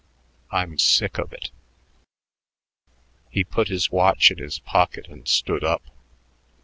I'm sick of it." He put his watch in his pocket and stood up.